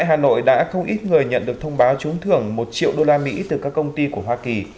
hà nội đã không ít người nhận được thông báo trúng thưởng một triệu usd từ các công ty của hoa kỳ